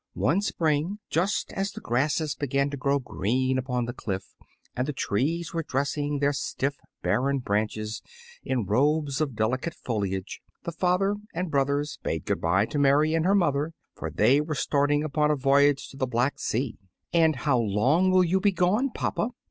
One spring, just as the grasses began to grow green upon the cliff and the trees were dressing their stiff, barren branches in robes of delicate foliage, the father and brothers bade good bye to Mary and her mother, for they were starting upon a voyage to the Black Sea. "And how long will you be gone, papa?"